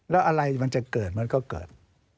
แล้วอะไรมันจะเกิดมันก็เกิด